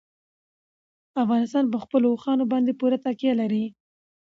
افغانستان په خپلو اوښانو باندې پوره تکیه لري.